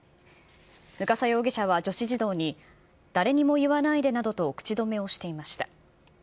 向笠容疑者は女子児童に誰にも言わないでなどと口止めをしていました。